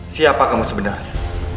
siapa kamu sebenarnya